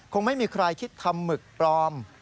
คงไม่มีใครคิดทำหมึกปลอม